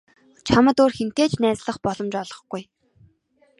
Чамд өөр хэнтэй ч найзлах боломж олгохгүй.